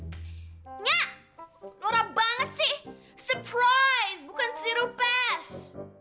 surprise bukan sirup es